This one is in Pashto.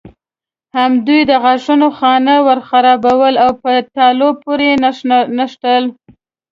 همدوی د غاښونو خانه ورخرابول او په تالو پورې نښتل.